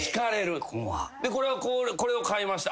「これはこれを買いました」